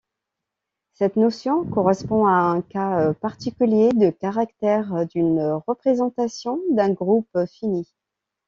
Cette notion correspond à un cas particulier de caractère d'une représentation d'un groupe fini.